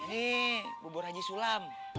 nih bubur haji sulam